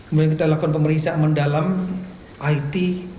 kemudian kita lakukan pemeriksaan mendalam it